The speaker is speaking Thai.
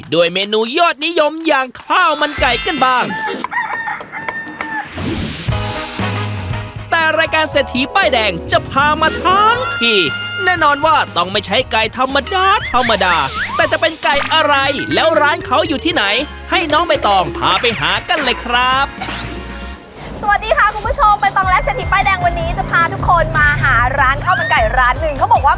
เมนูยอดนิยมอย่างข้าวมันไก่กันบ้าง